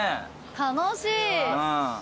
楽しい。